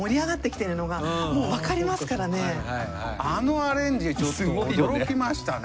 あのアレンジちょっと驚きましたね。